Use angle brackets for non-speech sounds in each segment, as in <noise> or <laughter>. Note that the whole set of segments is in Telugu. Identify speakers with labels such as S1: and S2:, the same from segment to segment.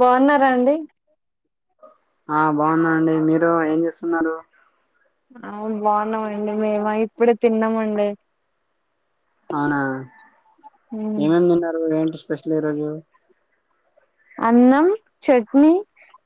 S1: బాగున్నారా అండి
S2: ఆ బాగున్నా అండి మీరు ఏం చేస్తున్నారు
S1: అవును బాగున్నామండి మేము ఇప్పుడే తిన్నామండి
S2: అవునా ఏమేమి తిన్నారు ఏంటి స్పెషల్ ఈ రోజు
S1: అన్నం చట్నీ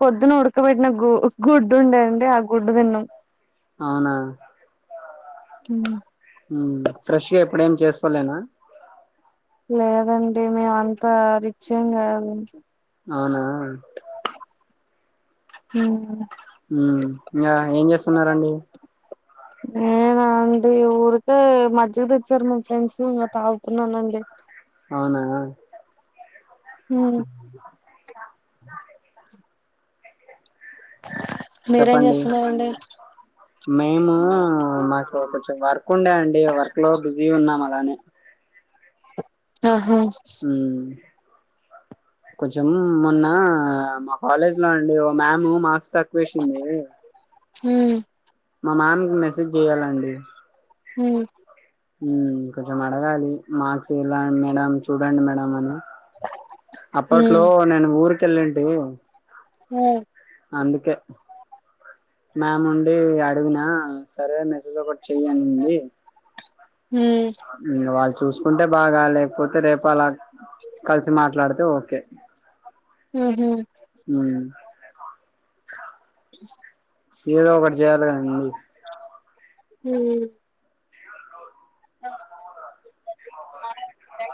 S1: పొద్దున ఉడకబెట్టిన గు గుడ్డు ఉందండి ఆ గుడ్డు తిన్నం
S2: అవునా
S1: హమ్
S2: ఉమ్ ఫ్రెష్ గా ఇప్పుడు ఏం చేసుకోలేనా
S1: లేదండి మేము అంతా రిచ్యిమ్ కాదు
S2: అవునా
S1: హమ్
S2: ఉమ్ ఇంకా ఏం చేస్తున్న రాండి
S1: నేనా అండి ఊరికే మజ్జిగ తెచ్చారు మా ఫ్రెండ్స్ ఇంకా తాగుతున్నానండి
S2: అవునా
S1: అమ్ మీరేం
S2: చెప్పండి
S1: చేస్తున్నారండి
S2: మేము మాకు కొంచెం వర్క్ ఉండే అండి వర్క్ లో బిజీ ఉన్నాం తానే
S1: ఆహా
S2: ఉమ్ కొంచెం మొన్న మా కాలేజ్ లో అండి ఓ మ్యామ్ మార్క్స్ తక్కువ వేసింది మీరే కదా
S1: హమ్
S2: మా మ్యామ్ కి మెసేజ్ చెయ్యాలండి
S1: హమ్
S2: ఉమ్ కొంచెం అడగాలి మార్క్స్ ఇలా మేడం చూడండి మేడం అని అప్పట్లో
S1: హ్మ్
S2: నేను ఊరికి ఎక్సలెంట్
S1: హ్మ్
S2: అందుకే మ్యామ్ ఉండి అడిగినా సరే మెసేజ్ ఒకటి చెయ్యండి ఇగ వాళ్ళు చూసుకుంటే బాగా లేకపోతే రేపు అలా కలిసి మాట్లాడితే ఓకే
S1: హ్మ్
S2: హమ్ అ ఏదో ఒకటి చేయాలి కదండి
S1: హమ్ హ్మ్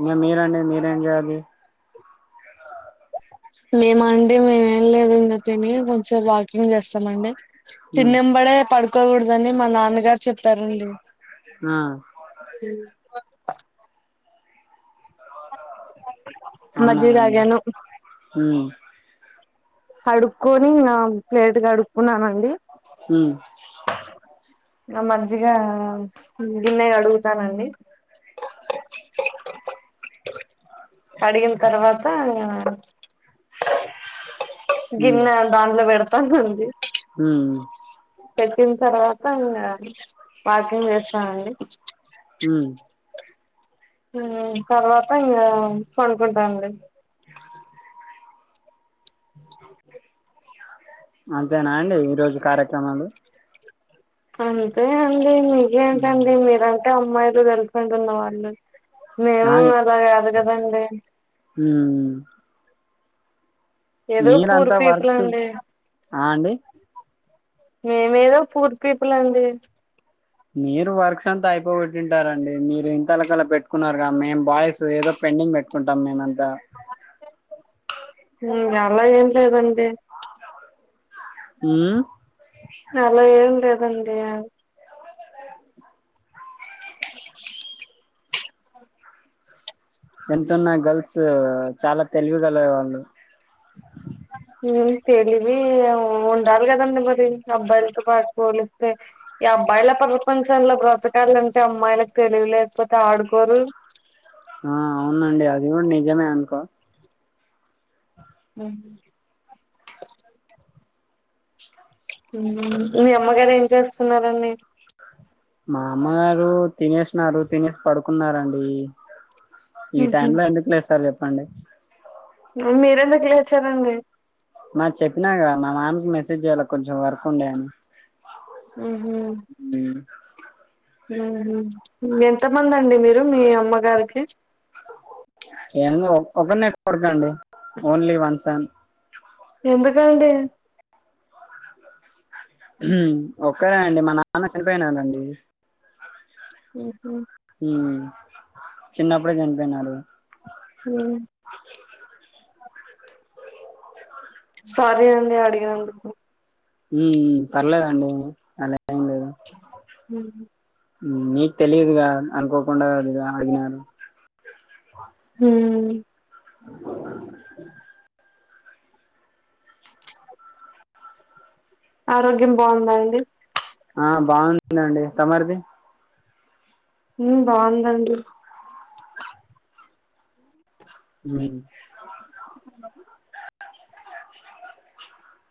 S2: ఇక మీరండి మీరు ఏం జాబ్
S1: మేమ అండి మేమేం లేదు ఇంత తిని కొంచెం వాకింగ్ చేస్తాము అండి
S2: ఉమ్
S1: తిన్నెపడే పడు తొక్క కూడదని మా నాన్నగారు చెప్పారండి
S2: ఆ అవునా
S1: మజ్జిగ
S2: అండి
S1: తాగాను
S2: హుమ్
S1: కడుక్కోని ప్లేట్ కడుక్కున్నానండి
S2: హమ్
S1: ఆ మజ్జిగ గిన్నె కడుగుతానండి కడిగిన తర్వాత
S2: ఉమ్
S1: గిన్నె దాంట్లో వేడ అధండి
S2: ఉమ్
S1: పెట్టిన తర్వాత ఇంకా వాకింగ్ చేస్తామండి
S2: ఉమ్
S1: ఉమ్ తర్వాత ఇంకా పనుకుంటాండి
S2: అంతేనా అండి ఈ రోజు కార్యక్రమాలు
S1: అంతే అ మిది అంత అంతే ఉంది ఇడా టి అమ్మాయిలు తెలుసుంటున్న వాళ్ళు మేము
S2: ఆ
S1: అలా కాదు కదండి
S2: ఉమ్
S1: ఏదో పూరు
S2: మీరంతా
S1: పీపుల
S2: వర్క్
S1: అండి
S2: ఆ అండి
S1: మేమేదో ఫుర్ పీపుల్ అండి
S2: మీరు వర్క్స్ అంతా అయిపోబట్టింటారంండి మీరు ఇంత అలకలా పెట్టుకున్నారుగా మేము బాయ్స్ ఏదో పెండింగ్ పెట్టుకుంటాం మేమంతా
S1: ఉమ్ అలా ఏం లేదండి
S2: ఉమ్
S1: అంటయా ఆ
S2: ఎంతన్నా గర్ల్స్ చాలా తెలివిగలే వాళ్ళు
S1: ఉమ్ తెలివి ఉండాలి కదండడి మరి అబ్బాయిలతో పాటు పోలిస్తే ఈ అబ్బాయిల ప్రపంచంలో బ్రతకాలంటే అమ్మాయిలకు తెలివి లేకపోతే ఆడుకోరు
S2: ఆ అవునండి అది కూడా నిజమే అనుకో
S1: ఉమ్ మీ అమ్మగారు ఏం చేస్తున్నారండి
S2: మామారు తినేసినన్నారు తినేసి పడుకున్నారంండి ఈ టైమ్ లో ఎందుకు లేస్తారు చెప్పు అండి
S1: మీర ఎధయానా చెయోచు కదా అండీ
S2: మా చెప్పినా కదా మా మామకి మెసేజ్ చెయ్యాలి కొంచెం వర్క్ ఉండే అని
S1: ఉహుమ్
S2: ఉమ్
S1: ఉహుమ్ ఉమ్ ఎంత మంది అండి మీరు మీ అమ్మగారికి
S2: ఎ ఒకరిని కోడుకండి ఓన్లీ వన్స్న్
S1: ఎంధుక్ అండీ
S2: ఉమ్ ఒక్కరే అండి మా నాన్న చనిపోయిననండి
S1: ఉహుమ్
S2: ఉమ్ చిన్నప్పుడే చనిపోయినారు
S1: హ్మ్ సారీ అండి అడిగినందుకు
S2: హ్మ్ మ్మ్ పర్లేదండి అలా
S1: చె ఊహూ
S2: నీకు తెలీదుగా అనుకోకుండా అది అడిగినారు
S1: హ్మ్
S2: బ
S1: ఆరోగ్యం బావుందా అండి
S2: ఆ బావుందిందండి తమరిది
S1: బావుందండి
S2: హ్మ్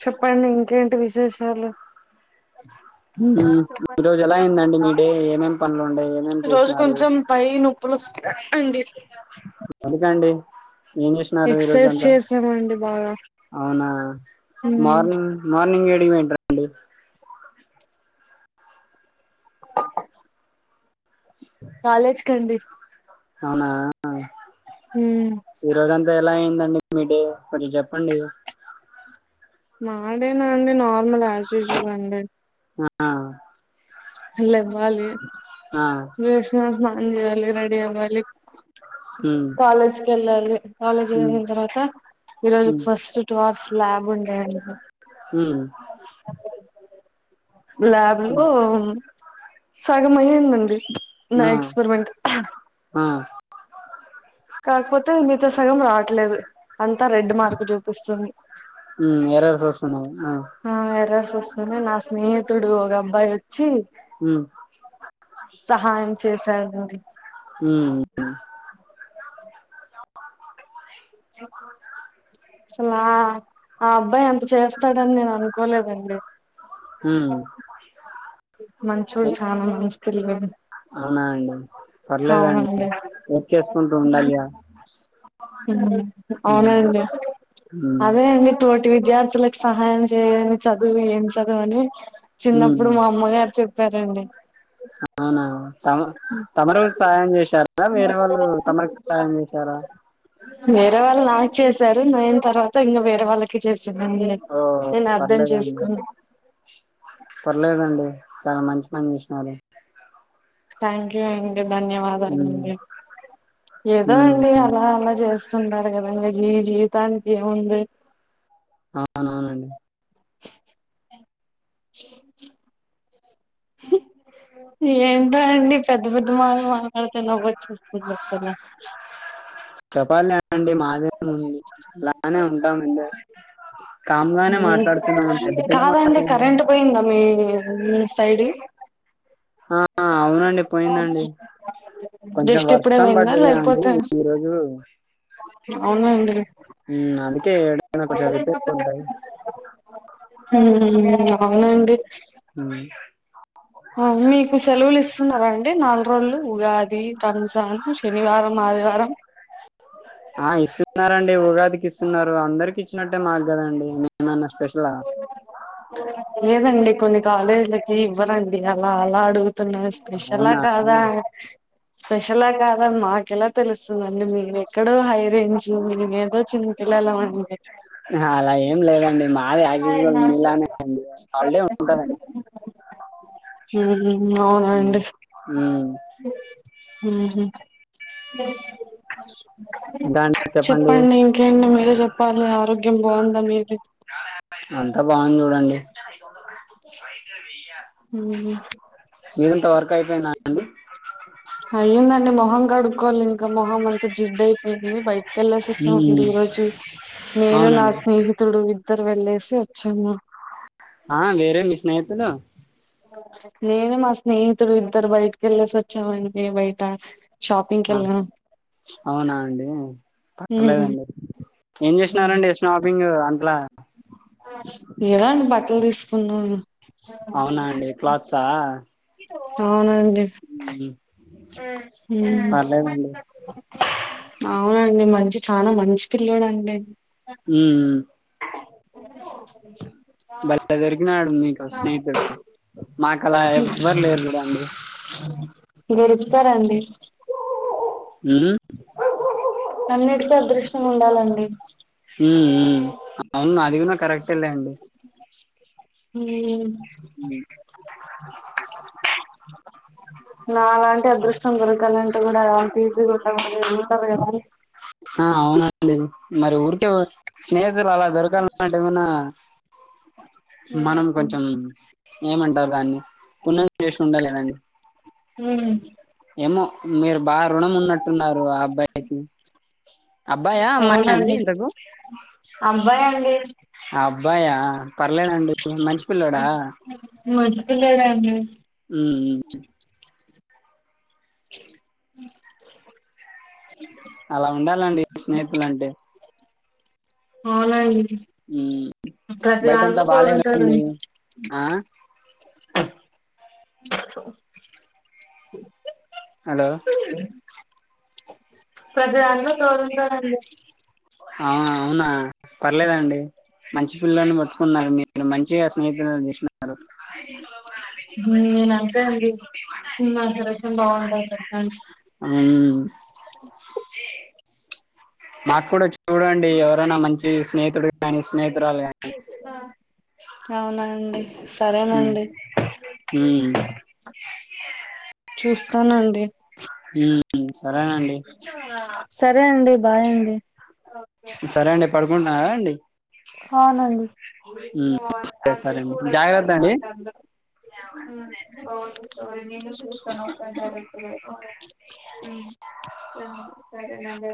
S1: చెప్పండి ఇంకేంటి విశేషాలు
S2: మీ రోజు ఎలా అయిందండి మీ డే ఏమేం పనులు ఉండయి ఏమేమి చేసినారు
S1: పులస్ అండి
S2: ఎందుకండి ఏం చేసినారు
S1: ఎక్సర్సైజ్
S2: ఈరోజంతా
S1: చేసామండి బాగా
S2: అవునా
S1: హ్మ్
S2: మార్నింగ్ మార్నింగ్ ఏ <unintelligible>
S1: కాలేజ్ కండి
S2: అవునా
S1: హ్మ్
S2: ఈ రోజంతా ఎలా అయిందండి మీ డే మీరు చెప్పండి
S1: నా డేనా అండి నార్మల్ యాజ్యూజువల్ అండి
S2: ఆ
S1: <unintelligible> <unintelligible>
S2: ఆ
S1: అండి ఎల్లి రెడీ అవ్వాలి
S2: ఉమ్
S1: కాలేజ్ కెల్లాలి హ్మ్ కాలేజ్
S2: ఉమ్
S1: అయిన తర్వాత ఈ రోజు
S2: ఉమ్
S1: ఫస్ట్ టూ అవర్స్ లాబ్ ఉండేయండి
S2: హ్మ్
S1: ల్యాబ్ లో సగ మహేన్ మంది నా
S2: ఆ
S1: ఎక్స్పెరిమెంట్
S2: ఆ
S1: కాకపోతే మీతో సగం రావట్లేదు అంతా రెడ్ మార్కు చూపిస్తుంది
S2: మ్ ఎరార్స్ వస్తూన్నాయ
S1: స్తునే నా స్నేహితుడు ఒక అబ్బాయి వచ్చి
S2: మ్
S1: సహాయం చేసారండి
S2: మ్
S1: అసలా ఆ అబ్బాయి ఎంత చేస్తాడని నేను అనుకోలేదండి
S2: మ్
S1: మంచూర్ చాన మాస్కాలిగాని
S2: అవునా పర్లేదండి
S1: అవునండి
S2: ఎక్ చేసుకుంటూ ఉండాలియా
S1: అవునండి
S2: ఉమ్
S1: అదే అండి <unintelligible> ఇ విద్యార్థులకు సహాయం చేయని చదువు ఏం చదువు అని
S2: ఉమ్
S1: చిన్నప్పుడు మా అమ్మగారు చెప్ సరేండి
S2: అవునా తమ తమరు వాళకి సాయం చేశారా వేరే వాళ్ళు, తమరుకి సాయం చేశారా
S1: వేరే వాళ్ళు నాకు చేశారు నయన తర్వాత ఇంకా వేరే వాళ్ళకి చేస్ చెప్పండి
S2: ఓ
S1: నేను అర్థం
S2: పర్లేదండి
S1: చేసుకున్
S2: పర్లేదండి చాలా మంచి పని చేసినారు
S1: థాంక్ యు ఆ
S2: ఉమ్
S1: ధన్యవాదాలండి ఏదో
S2: ఉమ్
S1: అండి అలా అలా చేస్ టడుగదంగా జీవి జీవితానికినికి ముంది
S2: అవునండి
S1: ఏంట అండి పెద్ద పెద్ద మాటలు మాట్లాడితే నవ్ వచ్చేదాది నాక్ చాలా
S2: చెపాలి అండి మాదేం ఉంది అలానే ఉంటాం ఇద్ద పెద్ద
S1: కాదండి
S2: మాటలేండి
S1: కరెంట్ పోయిందా మీ సైడ్
S2: ఆ అవునండి పోయిందండి కొంచెం
S1: జస్ట్ ఇప్పుడే
S2: వర్షం
S1: పోయిందా
S2: పడ్డది అండి
S1: లేకపోతే
S2: ఈరోజు,
S1: అవునండి
S2: అందుకే ఏనా కూర్చో పెట్టి ఉంటాయి
S1: ఉమ్ అవునండి
S2: ఉమ్.
S1: మీకు సెలవులు ఇస్తున్నారా అండి నాలుగు రోజులు ఉగాది త శనివారం ఆదివారం
S2: ఆ ఇస్తున్నారండి ఉగాదికి ఇస్తున్నారు అందరికి వచ్చినట్టే మార్ కదండి నా స్పె
S1: లేదండి కొన్ని కాలేజీలకి ఇవ్వరండి అలా అలాడు న్నారు స్పెషలా
S2: అవునా
S1: కాదా స్పెషలా కాదా మాకెలా తెలుస్తది మీరు ఎక్కడో హై రేంజ్ మీ ఏదో చిన్నపిల్లల మండి
S2: అలా ఏం లేదండి మా అదే యజ్యుజువల్ మీలానేండి హాలిడే ఉంటది అండి
S1: ఉమ్ అవునండి ఉహు
S2: ఇంకా అండి
S1: చెప్పండి ఇంకేంటి మీరే చెప్పండి పాలి ఆరోగ్య ఆరోగ్యం బాగుందా మీకు
S2: అంతా బాగుంది చూడం <unintelligible> మీదింత వర్క్ అయిపోయినా అండి
S1: అయ్యందండి మొహం కడుక్కవాలి ఇంకా మొహం అంతా జిడ్డు అయిపోయింది బయట కెళ్ళేసి వచ్చా అండి
S2: ఉమ్.
S1: ఈ రోజు నేను నా
S2: అవునండి
S1: స్నేహితుడు ఇద్దరు వెళ్లేేసి వచ్చాము
S2: ఆ, వేరే మీ స్నేహితులు
S1: నేను మా స్నేహితుడు ఇద్దరు బయటకి వెళ్ళసి వచ్చామండి బయట షాపింగ్కి
S2: ఆ
S1: వెళ్ళాం
S2: అవునా అండి పర్లేదండి ఏం చేసినారండి షాపింగ్ ల
S1: ఎలాంటి బట్టలు తీసుకున్నా
S2: అవునా అండి క్లాత్సా హా
S1: అవును
S2: పర్లేదండి
S1: అవునండి మంచి చాలా మంచి పిల్లోడండి
S2: ఊ భలే దొరికినాడు మీకు స్నేహితుడు మాకు అలా ఎబ్ వ్వరు లేరు చూడండి
S1: దొరుకుతారండి
S2: ఉమ్
S1: అన్నిటికీ అదృష్టం ఉండాలండి
S2: ఊ అవును అది కూనా కరెక్టే లేండి
S1: నాలంటి అదృష్టం దొరకాలంటే కూడా అలా అంతే ఈజీ <inaudible>
S2: ఆ అవునండి మరి ఊరికే స్నేహితులు అలా దొరకాలన్నంటే గునా మనం కొంచెం ఏమంటారు దాన్ని పున్నం చేసి ఉండలేదండి ఏమో మీరు బా రుణం ఉన్నట్టున్నారు ఆ అబ్బాయికి అబ్బాయా అమ్మాయా అండి ఇంతకూ అబ్బాయా పర్లేదండి మంచి పిల్లోడా
S1: మంచి పిల్లోడే అండి
S2: ఉ ఉ అలా ఉండాలండి స్నేహితులంటే
S1: అవునండి
S2: ఉమ్
S1: ప్రతి
S2: బయటంతా
S1: దాంట్లో తోడుంటాడు
S2: బాలేదండి ఆ హలో
S1: ప్రతి దాంట్లో తోడుంటారండి
S2: ఆ అవునా పర్లేదాండి మంచి పిల్లాడిని బ
S1: ఊ నేను అంతే అండి <inaudible> బాగుండాలి స <unintelligible>
S2: ఉమ్ మాకు కూడా చూడండి ఎవరైనా మంచి స్నేహితుడు కానీ స్నేహితురాలు గానీ
S1: అవునానండి
S2: ఉమ్
S1: సరేనండి
S2: ఉమ్
S1: చూస్తానండి
S2: ఉ
S1: ఆహా సరే అండి బాయ్ అండి
S2: సరే అండి పడుకుంటున్నార అండి
S1: అవునండి
S2: ఉమ్
S1: అ
S2: సరే సరే
S1: చూడ
S2: అండి
S1: చూడొచ్చు
S2: జాగ్రత్త
S1: అని
S2: అండి
S1: మాట్లాడతా <unintelligible> రోనిను చూసాను డైరెక్ట్ సరేనండి